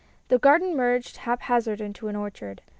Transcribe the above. The garden merged haphazard into an orchard.